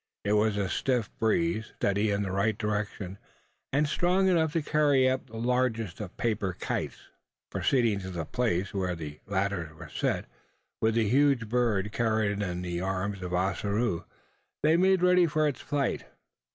It was a stiff breeze, steady in the right direction, and strong enough to carry up the largest of paper kites. Proceeding to the place, where the ladders were set, with the huge bird carried in the arms of Ossaroo, they made ready for its flight.